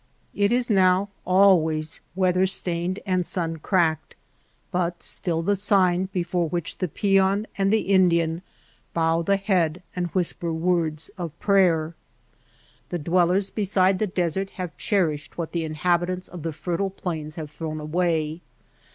It is now always weather stained and sun cracked, but still the sign before which the peon and the Indian bow the head and whis per words of prayer. The dwellers beside the desert have cherished what the inhabitants of Light of the cross. AborigiTMl faith. 22 THE DESERT the fertile plains have thrown away.